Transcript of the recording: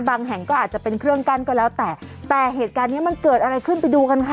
แห่งก็อาจจะเป็นเครื่องกั้นก็แล้วแต่แต่เหตุการณ์เนี้ยมันเกิดอะไรขึ้นไปดูกันค่ะ